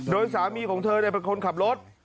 โดยสามีของเธอเป็นคนขับรถ